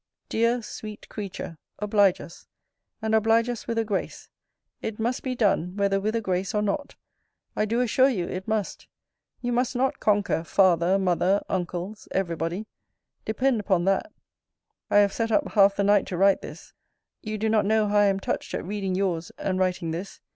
Dear, sweet creature, oblige us: and oblige us with a grace. It must be done, whether with a grace or not. I do assure you it must. You must not conquer father, mother, uncles, every body: depend upon that. I have set up half the night to write this. You do not know how I am touched at reading yours, and writing this.